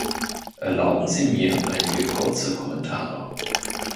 Erlauben Sie mir einige kurze Kommentare.